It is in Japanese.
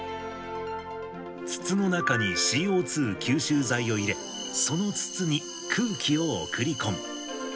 筒の中にＣＯ２吸収剤を入れ、その筒に空気を送り込む。